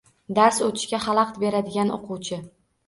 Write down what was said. Dars oʻtishga halaqit beradigan oʻquvchi.